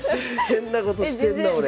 変なことしてんな俺。